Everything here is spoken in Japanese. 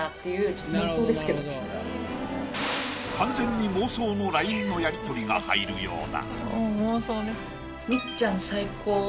完全に妄想のＬＩＮＥのやりとりが入るようだ。